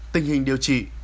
tình hình điều trị